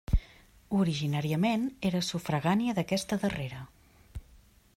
Originàriament era sufragània d'aquesta darrera.